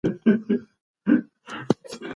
که باران نه وای، موږ به ډېر ګرځېدلي وو.